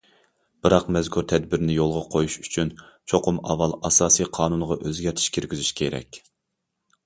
بىراق مەزكۇر تەدبىرنى يولغا قويۇش ئۈچۈن، چوقۇم ئاۋۋال ئاساسىي قانۇنغا ئۆزگەرتىش كىرگۈزۈش كېرەك.